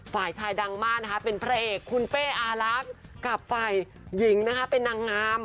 ฝ่ายชายดังมากนะคะเป็นพระเอกคุณเป้อารักษ์กับฝ่ายหญิงนะคะเป็นนางงาม